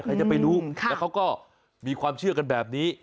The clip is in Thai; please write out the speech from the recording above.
ใครจะไปรู้แล้วเขาก็มีความเชื่อกันแบบนี้